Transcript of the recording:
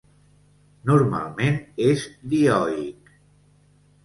Normalment és dioic.